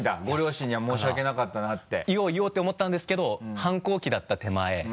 ご両親には申し訳なかったなって言おう言おうって思ったんですけど反抗期だった手前